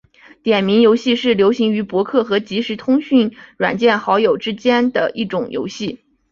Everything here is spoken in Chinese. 点名游戏是流行于博客和即时通讯软件好友之间的一种游戏。